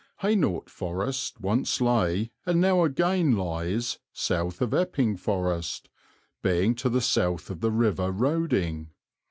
Hainault Forest once lay, and now again lies, south of Epping Forest, being to the south of the river Roding.